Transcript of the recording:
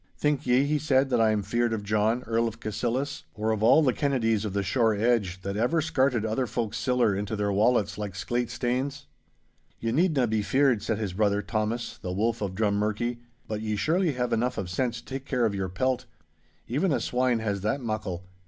'Think ye,' he said, 'that I am feared of John, Earl of Cassillis, or of all the Kennedies of the shore edge that ever scarted other folk's siller into their wallets like sclate stanes?' 'Ye needna be feared,' said his brother Thomas, the Wolf of Drummurchie, 'but ye surely have enough of sense to take care of your pelt. Even a swine has that muckle.